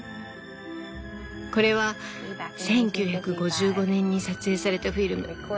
これは１９５５年に撮影されたフィルム。